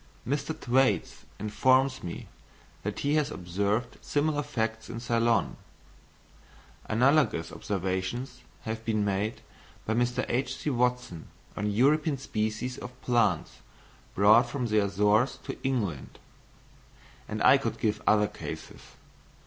Mr. Thwaites informs me that he has observed similar facts in Ceylon; analogous observations have been made by Mr. H.C. Watson on European species of plants brought from the Azores to England; and I could give other cases.